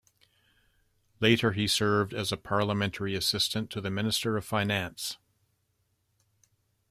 Later he served as a parliamentary assistant to the Minister of Finance.